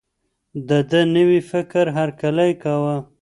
ده د نوي فکر هرکلی کاوه.